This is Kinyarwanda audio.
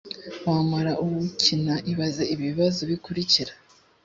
wamara uwukina ibaze ibi bibazo bikurikira